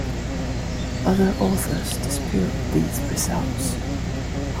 Other authors dispute these results.